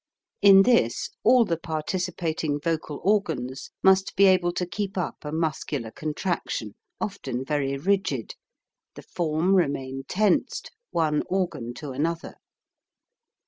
In this all the participating vocal organs must be able to keep up a muscular contraction, often very rigid, the form remain tensed, one organ to another.